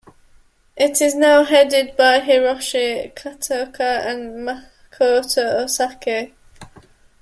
It is now headed by Hiroshi Kataoka and Makoto Osaki.